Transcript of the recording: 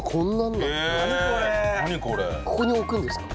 ここに置くんですか？